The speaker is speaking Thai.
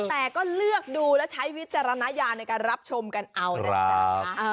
แต่ก็เลือกดูแล้วใช้วิจารณญาณในการรับชมกันเอานะจ๊ะ